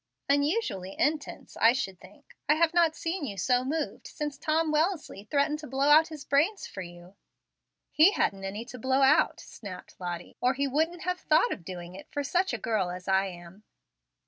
"Unusually intense, I should think. I have not seen you so moved since Tom Wellesly threatened to blow out his brains for you." "He hadn't any to blow out," snapped Lottie, "or he wouldn't have thought of doing it for such a girl as I am."